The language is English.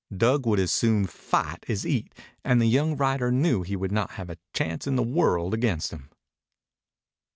Dug would as soon fight as eat, and the young rider knew he would not have a chance in the world against him.